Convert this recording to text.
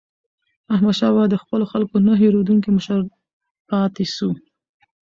احمدشاه بابا د خپلو خلکو نه هېریدونکی مشر پاتې سو.